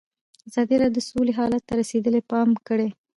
ازادي راډیو د سوله حالت ته رسېدلي پام کړی.